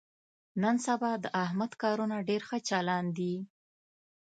نن سبا د احمد کارونه ډېر ښه چالان دي.